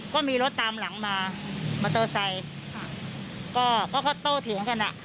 ก็มีรถตามหลังมามอเตอร์ไซค์ค่ะก็เขาก็โตเถียงกันอ่ะ